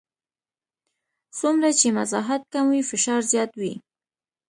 څومره چې مساحت کم وي فشار زیات وي.